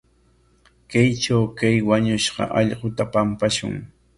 Kaytraw kay wañushqa allquta pampashun.